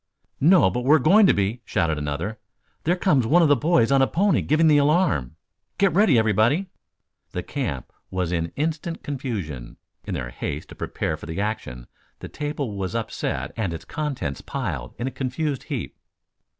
"No, but we're going to be!" shouted another. "There comes one of the boys on a pony giving the alarm." "Get ready, everybody!" The camp was in instant confusion. In their haste to prepare for action, the table was upset and its contents piled in a confused heap.